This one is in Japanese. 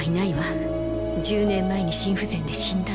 １０年前に心不全で死んだの。